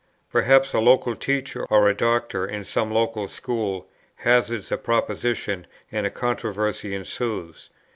Perhaps a local teacher, or a doctor in some local school, hazards a proposition, and a controversy ensues.